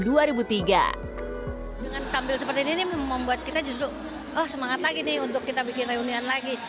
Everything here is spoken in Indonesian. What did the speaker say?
dengan tampil seperti ini membuat kita justru semangat lagi nih untuk kita bikin reunian lagi